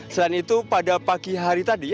selain itu pada pagi hari tadi